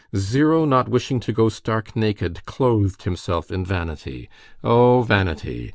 Zero not wishing to go stark naked, clothed himself in vanity. O vanity!